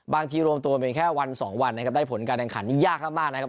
บางทีรวมตัวเป็นแค่วันสองวันนะครับได้ผลการแข่งขันนี้ยากมากนะครับ